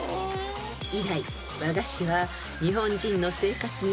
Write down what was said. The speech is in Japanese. ［以来和菓子は］